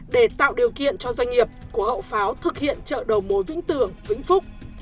để tạo điều kiện cho doanh nghiệp của hậu pháo thực hiện tình huyện vĩnh phúc